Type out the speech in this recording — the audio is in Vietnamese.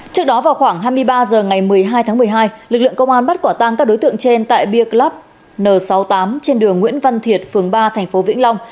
trước đó vào khoảng hai mươi ba h ngày một mươi hai tháng một mươi hai lực lượng công an bắt quả tang các đối tượng trên tại beer club n sáu mươi tám trên đường nguyễn văn thiệt phường ba tp vĩnh long